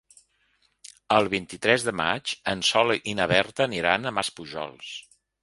El vint-i-tres de maig en Sol i na Berta aniran a Maspujols.